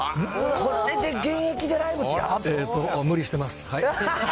これで現役でライブ、やばい無理してます。